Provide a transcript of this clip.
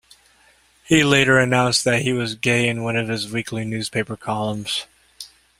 He later announced that he was gay in one of his weekly newspaper columns.